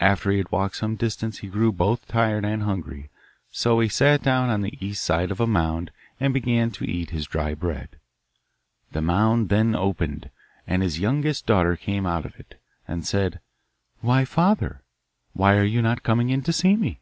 After he had walked some distance he grew both tired and hungry, so he sat down on the east side of a mound and began to eat his dry bread. The mound then opened, and his youngest daughter came out of it, and said, 'Why, father! why are you not coming in to see me?